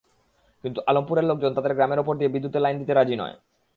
কিন্তু আলমপুরের লোকজন তাঁদের গ্রামের ওপর দিয়ে বিদ্যুতের লাইন দিতে রাজি নয়।